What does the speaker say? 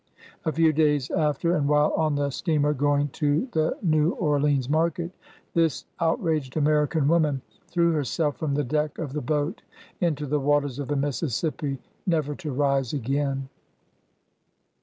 A few days after, and while on the steamer going to the Xew Orleans market, this outraged American woman threw herself from the deck of the boat into the waters of the Mis sissippi, never to rise again.